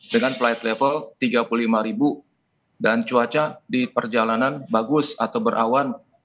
dengan flight level tiga puluh lima dan cuaca di perjalanan bagus atau berawan